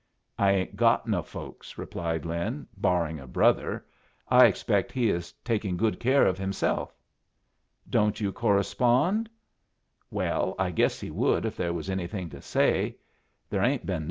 "I ain't got no folks," replied Lin, "barring a brother. I expect he is taking good care of himself." "Don't you correspond?" "Well, I guess he would if there was anything to say. There ain't been nothin'."